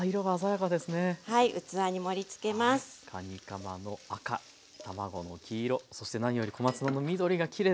かにかまの赤卵の黄色そして何より小松菜の緑がきれいですね。